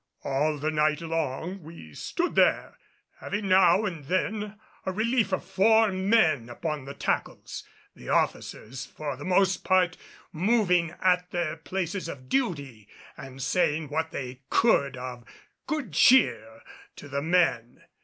All the night long we stood there, having now and then a relief of four men upon the tackles, the officers for the most part moving at their places of duty and saying what they could of good cheer to the men.